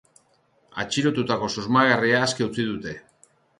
Atxilotutako susmagarria aske utzi dute.